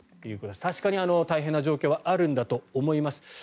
確かに大変な状況はあるんだと思います。